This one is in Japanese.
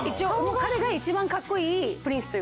彼が一番カッコいいプリンスというか。